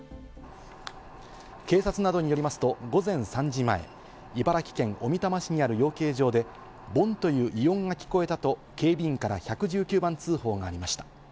警察などによりますと午前３時前、茨城県小美玉市にある養鶏場で、ボンッという異音が聞こえたと警備員から１１９番通報がありました。